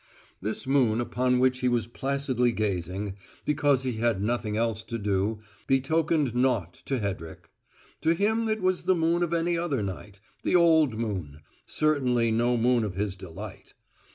This moon upon which he was placidly gazing, because he had nothing else to do, betokened nought to Hedrick: to him it was the moon of any other night, the old moon; certainly no moon of his delight.